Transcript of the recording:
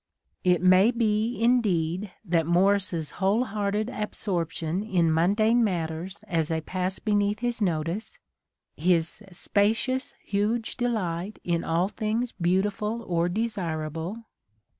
" It may be, indeed, that Morris's whole hearted absorption in mundane matters as they pass beneath his notice, — his "spacious huge delight" in all things beautiful or desirable, — A DAY WITH WILLIAM MORRIS.